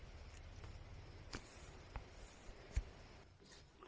เรายังไม่ได้ทำอะไรเลย